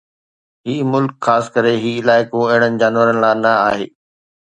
هي ملڪ خاص ڪري هي علائقو اهڙن جانورن لاءِ نه آهي